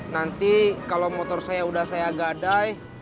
nanti kalau motor saya sudah saya gadai